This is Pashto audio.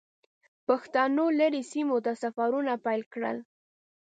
پښتنو لرې سیمو ته سفرونه پیل کړل.